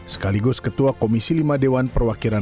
sekaligus ketua komisi lima dewan perwakilan